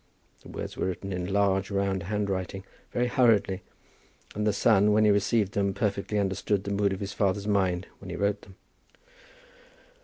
The words were written in large round handwriting, very hurriedly, and the son when he received them perfectly understood the mood of his father's mind when he wrote them.